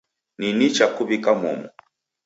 Ni nicha kuw'ika momu.